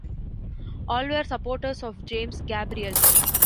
All were supporters of James Gabriel.